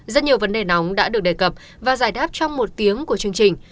rất nhiều vấn đề nóng đã được đề cập và giải đáp trong một tiếng của chương trình